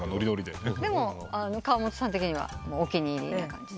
でも河本さん的にはお気に入りな感じ？